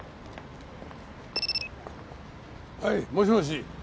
はいもしもし。